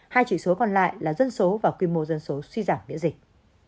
hai chỉ số còn lại là dân số và quy mô dân số suy giảm miễn dịch